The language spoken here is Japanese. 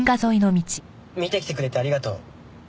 見てきてくれてありがとう。